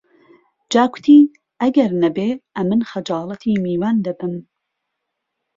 جا کوتی: ئەگەر نەبێ ئەمن خەجاڵەتی میوان دەبم